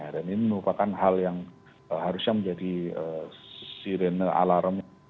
dan ini merupakan hal yang harusnya menjadi sirene alarm